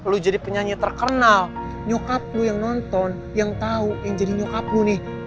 lo jadi penyanyi terkenal nyokap lo yang nonton yang tau yang jadi nyokap lo nih